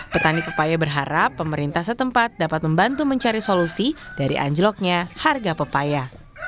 petani pepaya berharap pemerintah setempat dapat membantu mencari solusi dari anjloknya harga pepaya